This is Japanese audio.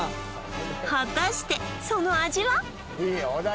果たしてその味は？